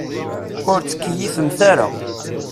Ur ttkeyyifemt ara.